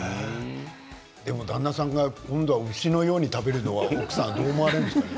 でも旦那さんが今度は牛のように食べるのは奥さんどう思われるんですかね。